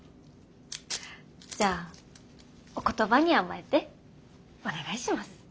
じゃあお言葉に甘えてお願いします。